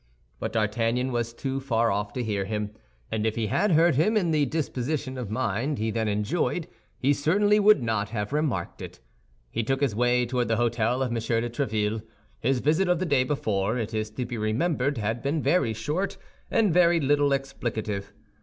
But D'Artagnan was too far off to hear him; and if he had heard him in the disposition of mind he then enjoyed, he certainly would not have remarked it. He took his way toward the hôtel of M. de Tréville; his visit of the day before, it is to be remembered, had been very short and very little explicative.